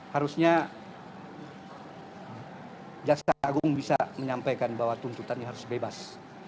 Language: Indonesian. harusnya jaksa agung bisa menyampaikan bahwa tuntutannya harus bebas